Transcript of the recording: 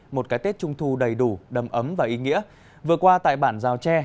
một cái tết trung thu đầy đủ đầm ấm và ý nghĩa vừa qua tại bản giao tre